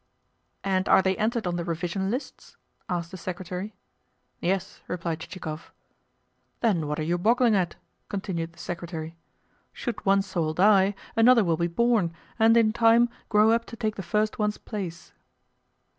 "And are they entered on the revision lists?" asked the secretary. "Yes," replied Chichikov. "Then what are you boggling at?" continued the Secretary. "Should one soul die, another will be born, and in time grow up to take the first one's place."